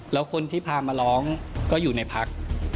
แล้วคนที่พามาร้องก็อยู่ในพัก